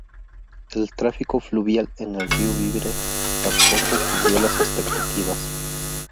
El tráfico fluvial en el río Vire tampoco cubrió las expectativas.